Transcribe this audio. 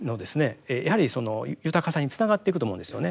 やはり豊かさにつながっていくと思うんですよね。